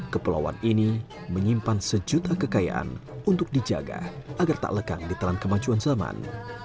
kepulauan ini menyimpan sejuta kekayaan untuk dijaga agar tak lekang di dalam kemajuan zaman